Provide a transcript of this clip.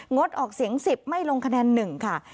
ดออกเสียง๑๐ไม่ลงคะแนน๑ค่ะ